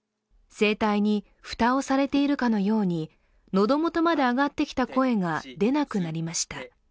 声帯に蓋をされているかのように、喉元まで上がってきた声が出なくなりました。